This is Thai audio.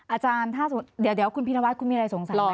อาจารย์ถ้าสงสัยเดี๋ยวคุณพินวาสคุณมีอะไรสงสัยไหม